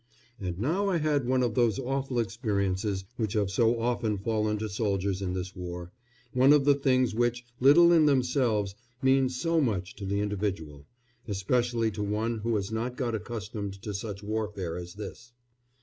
And now I had one of those awful experiences which have so often fallen to soldiers in this war one of the things which, little in themselves, mean so much to the individual, especially to one who has not got accustomed to such warfare as this.